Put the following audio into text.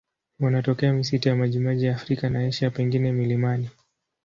Wanatokea misitu ya majimaji ya Afrika na Asia, pengine milimani.